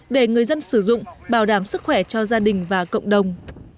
để người dân sử dụng bảo đảm sức khỏe cho gia đình và cộng đồng